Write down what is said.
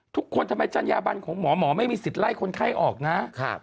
ทุกคนทำไมจั้นยาบันของหมอหมอไม่มีสิทธิ์ไล่คนไข้ออกน่ะครับ